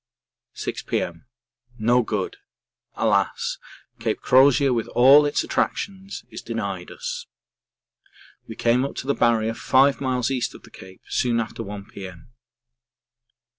6 P.M. No good!! Alas! Cape Crozier with all its attractions is denied us. We came up to the Barrier five miles east of the Cape soon after 1 P.M.